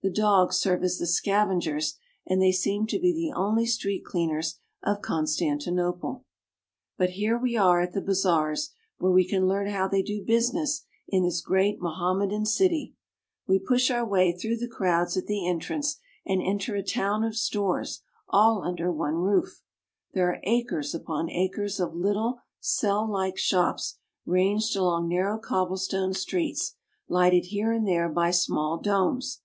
The dogs serve as the scavengers, and they seem to be the only street cleaners of Constantinople. "— a town of stores all under one roof." But here we are at the bazaars, where we can learn how they do business in this great Mohammedan city. We push our way through the crowds at the entrance, and enter a town of stores all under one roof. There are acres upon acres of little cell like shops ranged along narrow cobble stone streets, lighted here and there by small domes.